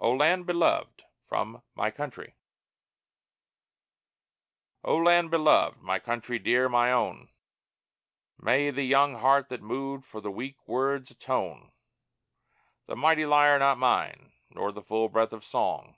O LAND BELOVED From "My Country" O Land beloved! My Country, dear, my own! May the young heart that moved For the weak words atone; The mighty lyre not mine, nor the full breath of song!